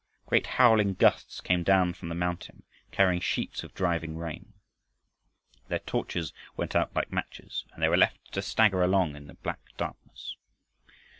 Great howling gusts came down from the mountain, carrying sheets of driving rain. Their torches went out like matches, and they were left to stagger along in the black darkness.